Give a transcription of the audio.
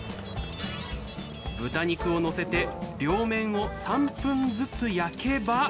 豚肉をのせて両面を３分ずつ焼けば！